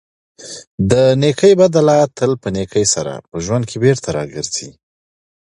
د نېکۍ بدله تل په نېکۍ سره په ژوند کې بېرته راګرځي.